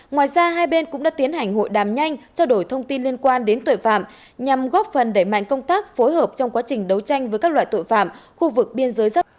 ngoài ra hai bên cũng đã tiến hành hội đàm nhanh trao đổi thông tin liên quan đến tội phạm nhằm góp phần đẩy mạnh công tác phối hợp trong quá trình đấu tranh với các loại tội phạm khu vực biên giới giáp